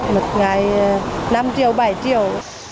một ngày năm triệu bảy triệu